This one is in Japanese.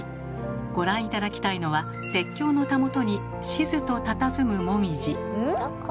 ご覧頂きたいのは鉄橋のたもとにしずとたたずむもみじ。